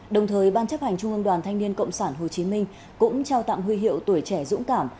đồng thời ban chấp hành trung ương đoàn thanh niên cộng sản hồ chí minh cũng trao tặng huy hiệu tuổi trẻ dũng cảm